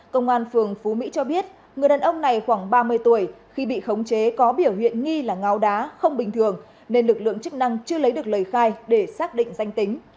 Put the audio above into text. công an phường phú mỹ cho biết người đàn ông này khoảng ba mươi tuổi khi bị khống chế có biểu hiện nghi là ngáo đá không bình thường nên lực lượng chức năng chưa lấy được lời khai để xác định danh tính